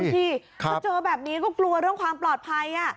พอเจอแบบนี้ก็กลัวเรื่องความปลอดภัย